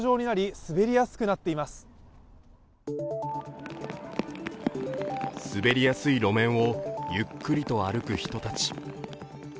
滑りやすい路面をゆっくりと歩く人たち。